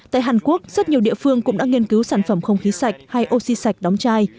tại hàn quốc rất nhiều địa phương cũng đã nghiên cứu sản phẩm không khí sạch hay oxy sạch đóng chai